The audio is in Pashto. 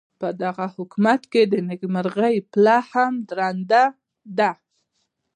پدغه حکومت کې د نیکمرغۍ پله هم درنده ده.